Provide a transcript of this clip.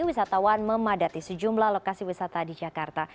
wisatawan memadati sejumlah lokasi wisata di jakarta